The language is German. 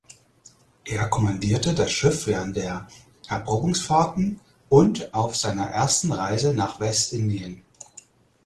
Er kommandierte das Schiff während der Erprobungsfahrten und auf seiner ersten Reise nach Westindien.